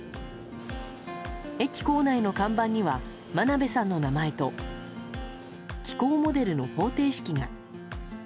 駅構内の看板には眞鍋さんの名前と気候モデルの方程式が。